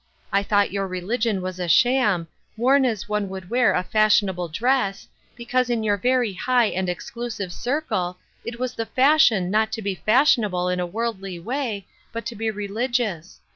I thought your religion was a sham ; worn as one would wear a fashionable dress, because in your very high and exclusive circle it was the fashion not to be fashionable in a worldly way, but to be religious.